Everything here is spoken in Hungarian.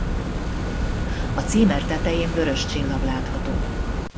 A címer tetején vörös csillag látható.